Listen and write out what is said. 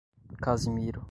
Casimiro